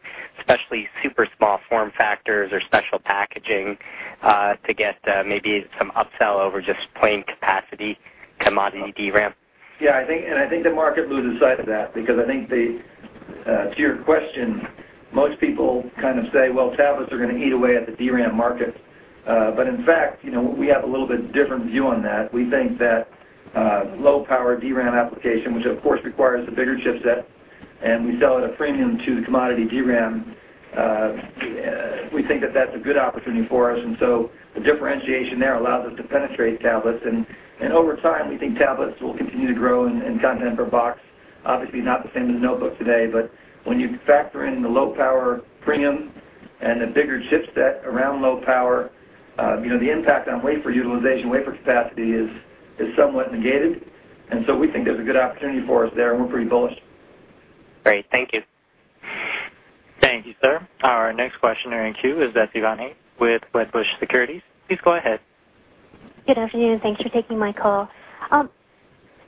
especially super small form factors or special packaging to get maybe some upsell over just plain capacity commodity DRAM? I think the market loses sight of that because to your question, most people kind of say, tablets are going to eat away at the DRAM market. In fact, we have a little bit different view on that. We think that low-power DRAM application, which of course requires a bigger chipset, and we sell at a premium to the commodity DRAM, is a good opportunity for us. The differentiation there allows us to penetrate tablets. Over time, we think tablets will continue to grow in content per box. Obviously, not the same as a notebook today, but when you factor in the low-power premium and the bigger chipset around low power, the impact on wafer utilization, wafer capacity is somewhat negated. We think there's a good opportunity for us there, and we're pretty bullish. All right. Thank you. Thank you, sir. Our next questioner in queue is Betsy Van Hees with Wedbush Securities. Please go ahead. Good afternoon. Thanks for taking my call.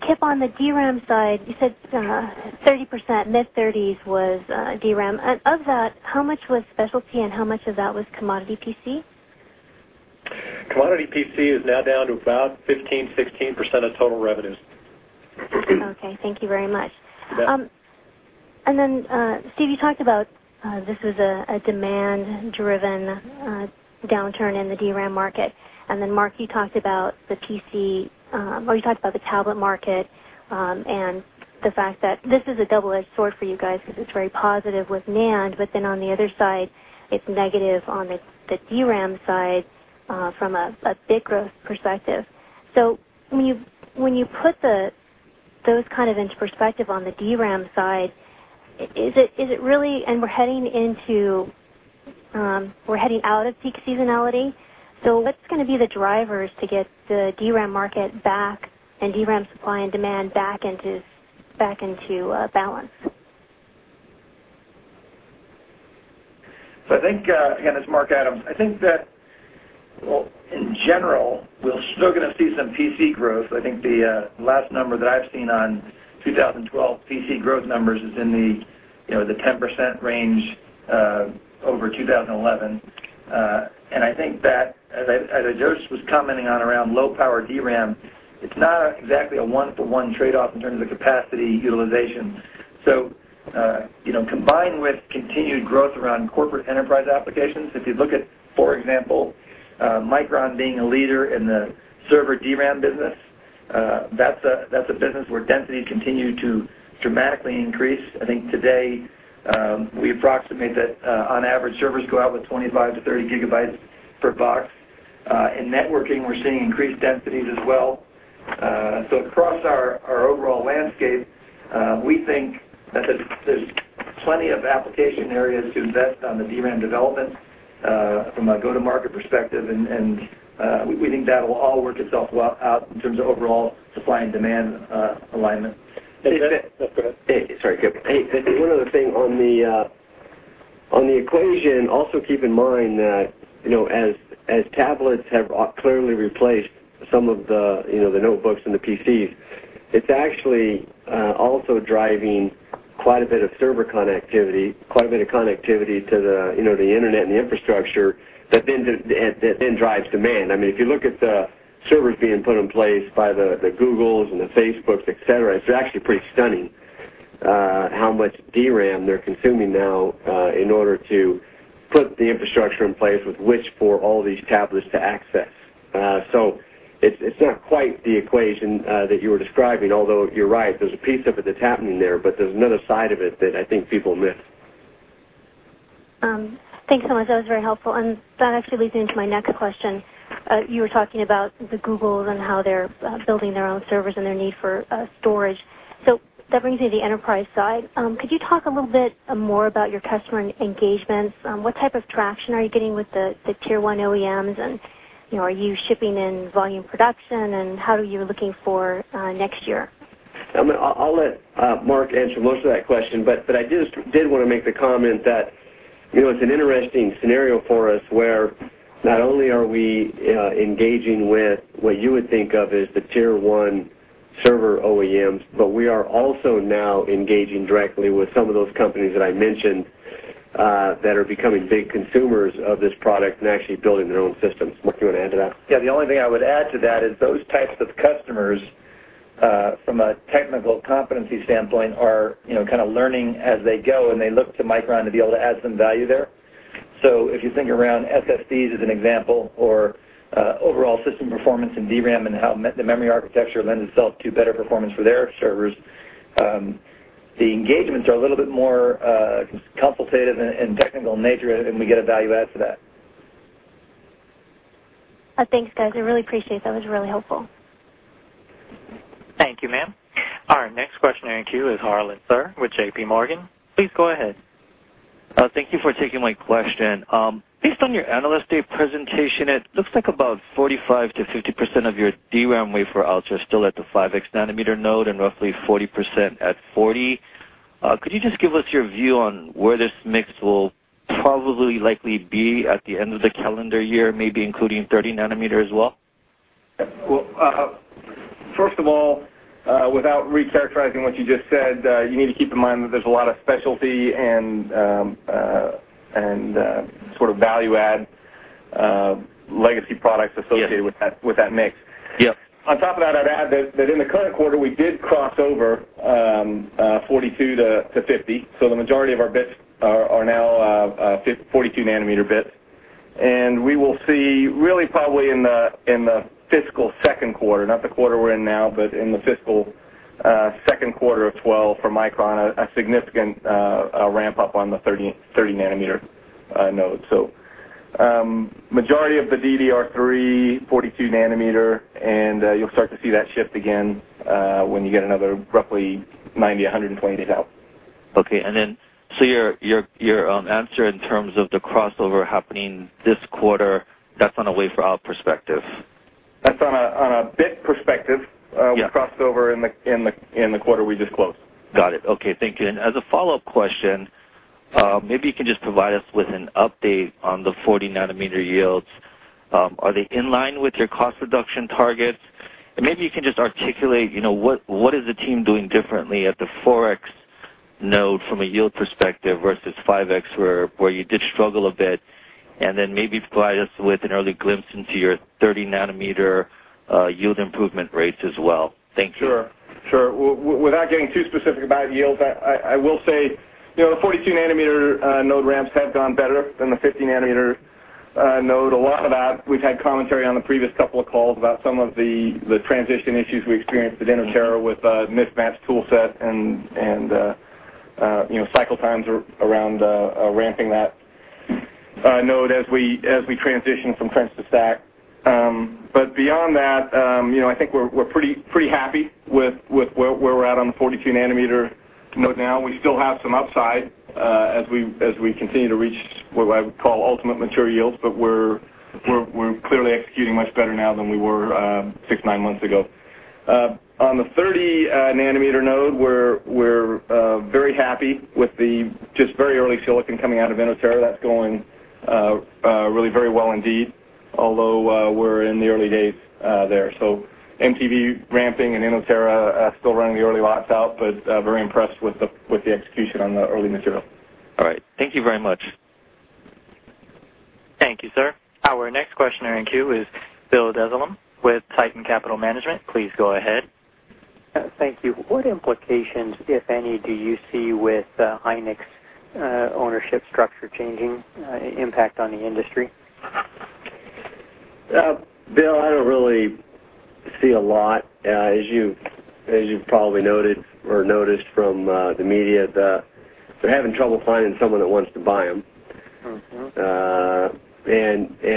Kipp, on the DRAM side, you said 30%, mid-30s was DRAM. Of that, how much was specialty and how much of that was commodity PC? Commodity PC is now down to about 15%-16% of total revenues. Okay. Thank you very much. Steve, you talked about this was a demand-driven downturn in the DRAM market. Mark, you talked about the PC, or you talked about the tablet market and the fact that this is a double-edged sword for you guys because it's very positive with NAND, but on the other side, it's negative on the DRAM side from a bit growth perspective. When you put those into perspective on the DRAM side, is it really, and we're heading out of peak seasonality. What's going to be the drivers to get the DRAM market back and DRAM supply and demand back into balance? I think, again, it's Mark Adams. I think that, in general, we'll still get to see some PC growth. I think the last number that I've seen on 2012 PC growth numbers is in the 10% range over 2011. I think that, as I just was commenting on around low-power DRAM, it's not exactly a one-to-one trade-off in terms of the capacity utilization. Combined with continued growth around corporate enterprise applications, if you look at, for example, Micron being a leader in the server DRAM business, that's a business where density continued to dramatically increase. I think today, we approximate that on average, servers go out with 25 GB-30 GB per box. In networking, we're seeing increased densities as well. Across our overall landscape, we think that there's plenty of application areas to invest on the DRAM development from a go-to-market perspective. We think that'll all work itself out in terms of overall supply and demand alignment. Hey, Kip. Go ahead. Sorry, Kip. Hey, one other thing on the equation. Also, keep in mind that, you know, as tablets have clearly replaced some of the notebooks and the PCs, it's actually also driving quite a bit of server connectivity, quite a bit of connectivity to the internet and the infrastructure that then drives demand. I mean, if you look at the servers being put in place by the Googles and the Facebooks, etc., it's actually pretty stunning how much DRAM they're consuming now in order to put the infrastructure in place with which for all these tablets to access. It's not quite the equation that you were describing, although you're right, there's a piece of it that's happening there, but there's another side of it that I think people miss. Thanks so much. That was very helpful. That actually leads me into my next question. You were talking about the Google and how they're building their own servers and their need for storage. That brings me to the enterprise side. Could you talk a little bit more about your customer engagements? What type of traction are you getting with the Tier 1 OEMs? Are you shipping in volume production? How are you looking for next year? I'll let Mark answer most of that question, but I just did want to make the comment that it's an interesting scenario for us where not only are we engaging with what you would think of as the Tier 1 server OEMs, but we are also now engaging directly with some of those companies that I mentioned that are becoming big consumers of this product and actually building their own systems. What do you want to add to that? Yeah, the only thing I would add to that is those types of customers, from a technical competency standpoint, are kind of learning as they go, and they look to Micron to be able to add some value there. If you think around SSDs as an example or overall system performance in DRAM and how the memory architecture lends itself to better performance for their servers, the engagements are a little bit more consultative and technical in nature, and we get a value add to that. Thanks, guys. I really appreciate it. That was really helpful. Thank you, ma'am. Our next questioner in queue is Harlan Sur with JPMorgan. Please go ahead. Thank you for taking my question. Based on your analyst day presentation, it looks like about 45%-50% of your DRAM wafer output is still at the 5X nanometer node and roughly 40% at 40. Could you just give us your view on where this mix will probably likely be at the end of the calendar year, maybe including 30 nm as well? First of all, without recharacterizing what you just said, you need to keep in mind that there's a lot of specialty and sort of value-add legacy product associated with that mix. On top of that, I'd add that in the current quarter, we did cross over 42 nm to 50 nm. The majority of our bids are now 42 nm bids. We will see really probably in the fiscal second quarter, not the quarter we're in now, but in the fiscal second quarter of 2012 for Micron, a significant ramp-up on the 30 nm node. The majority of the DDR3, 42 nm, and you'll start to see that shift again when you get another roughly 90-120 days out. Okay. Your answer in terms of the crossover happening this quarter, that's on a wafer-out perspective? That's on a bid perspective. We crossed over in the quarter we just closed. Got it. Okay. Thank you. As a follow-up question, maybe you can just provide us with an update on the 40-nm yields. Are they in line with your cost reduction targets? Maybe you can just articulate what is the team doing differently at the 4X node from a yield perspective versus 5X where you did struggle a bit. Maybe provide us with an early glimpse into your 30-nm yield improvement rates as well. Thank you. Sure. Without getting too specific about yields, I will say, you know, the 42-nm node ramps have gone better than the 50-nm node. A lot of that, we've had commentary on the previous couple of calls about some of the transition issues we experienced at Inotera with a mismatched toolset and, you know, cycle times around ramping that node as we transition from French to SAT. Beyond that, I think we're pretty happy with where we're at on the 42-nm node now. We still have some upside as we continue to reach what I would call ultimate mature yields, but we're clearly executing much better now than we were six, nine months ago. On the 30 nm DRAM node, we're very happy with the just very early silicon coming out of Inotera. That's going really very well indeed, although we're in the early days there. MTV ramping and Inotera still running the early lots out, but very impressed with the execution on the early mature yield. All right. Thank you very much. Thank you, sir. Our next questioner in queue is Bill Dezellem with Tieton Capital Management. Please go ahead. Thank you. What implications, if any, do you see with Hynix's ownership structure changing impact on the industry? Bill, I don't really see a lot. As you've probably noted or noticed from the media, they're having trouble finding someone that wants to buy them.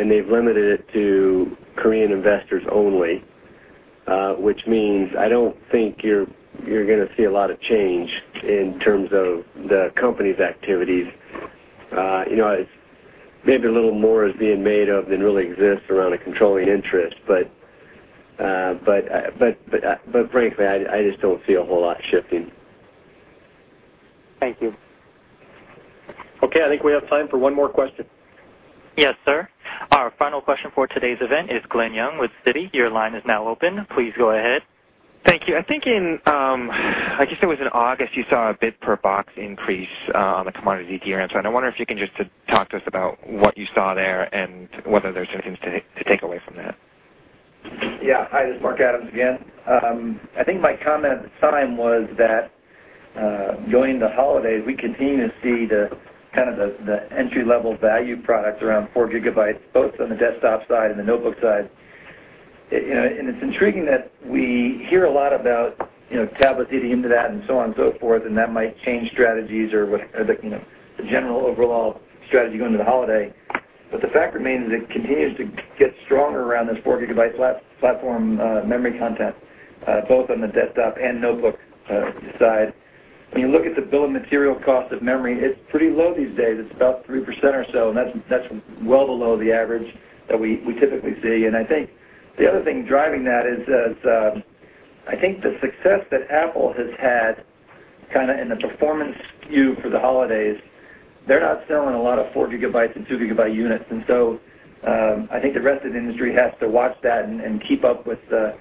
They've limited it to Korean investors only, which means I don't think you're going to see a lot of change in terms of the company's activities. It's maybe a little more is being made of than really exists around a controlling interest, but frankly, I just don't see a whole lot shifting. Thank you. Okay, I think we have time for one more question. Yes, sir. Our final question for today's event is Glen Yeung with Citi. Your line is now open. Please go ahead. Thank you. I'm thinking, I guess it was in August you saw a bit per box increase on the commodity DRAM. I wonder if you can just talk to us about what you saw there and whether there's anything to take away from that. Yeah. Hi, this is Mark Adams again. I think my comment at the time was that during the holidays, we continue to see the kind of the entry-level value products around 4 GB, both on the desktop side and the notebook side. It's intriguing that we hear a lot about tablets leading into that and so on and so forth, and that might change strategies or the general overall strategy going into the holiday. The fact remains that it continues to get stronger around this 4-GB platform memory content, both on the desktop and notebook side. You look at the bill of material cost of memory, it's pretty low these days. It's about 3% or so, and that's well below the average that we typically see. I think the other thing driving that is, I think the success that Apple has had kind of in the performance cube for the holidays, they're not selling a lot of 4-GB and 2-GB units. I think the rest of the industry has to watch that and keep up with the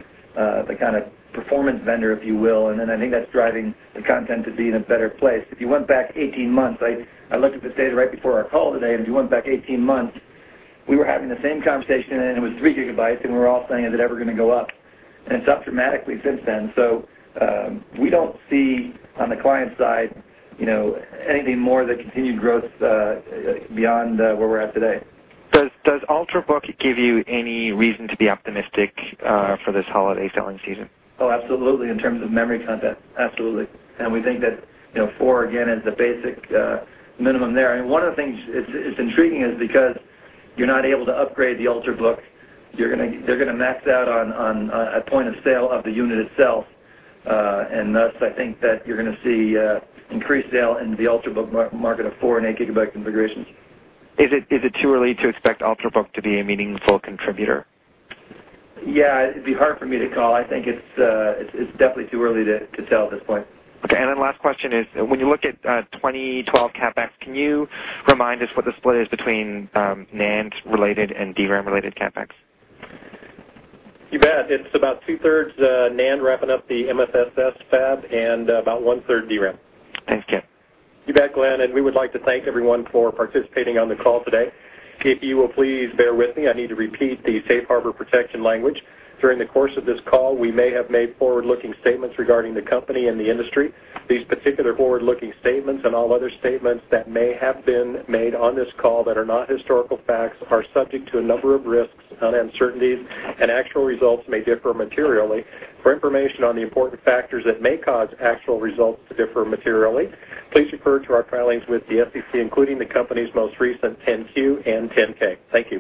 kind of performance vendor, if you will. I think that's driving the content to be in a better place. If you went back 18 months, I looked at this data right before our call today, and if you went back 18 months, we were having the same conversation, and it was 3 GB, and we were all saying, is it ever going to go up? It's up dramatically since then. We don't see on the client side, you know, anything more that continued growth beyond where we're at today. Does Ultrabook give you any reason to be optimistic for this holiday selling season? Oh, absolutely. In terms of memory content, absolutely. We think that 4 GB, again, is the basic minimum there. One of the things that's intriguing is because you're not able to upgrade the Ultrabook, they're going to max out on a point of sale of the unit itself. Thus, I think that you're going to see increased sale in the Ultrabook market of 4 and 8-GB configurations. Is it too early to expect Ultrabook to be a meaningful contributor? Yeah, it'd be hard for me to call. I think it's definitely too early to sell at this point. Okay. Last question is, when you look at 2012 CapEx, can you remind us what the split is between NAND-related and DRAM-related CapEx? You bet. It's about two-thirds NAND wrapping up the MSS fab and about one-third DRAM. Thank you. You bet, Glen. We would like to thank everyone for participating on the call today. If you will please bear with me, I need to repeat the safe harbor protection language. During the course of this call, we may have made forward-looking statements regarding the company and the industry. These particular forward-looking statements and all other statements that may have been made on this call that are not historical facts are subject to a number of risks and uncertainties, and actual results may differ materially. For information on the important factors that may cause actual results to differ materially, please refer to our filings with the SEC, including the company's most recent 10-Q and 10-K. Thank you.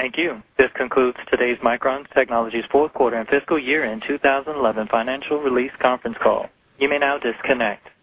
Thank you. This concludes today's Micron Technology 4th Quarter and Fiscal Year-end 2011 Financial Release Conference call. You may now disconnect.